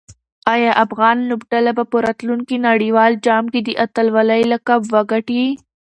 آیا افغان لوبډله به په راتلونکي نړیوال جام کې د اتلولۍ لقب وګټي؟